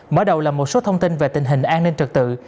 mở đầu là một số thông tin về tình hình an ninh trật tự